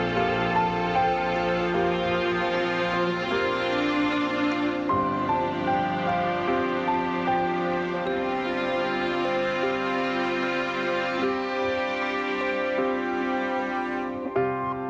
โปรดติดตามตอนต่อไป